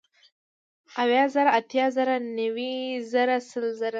اويه زره ، اتيا زره نوي زره سل زره